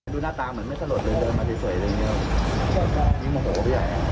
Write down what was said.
ดูหน้าตาเหมือนไม่สลดเลยเดินมาสวยเลย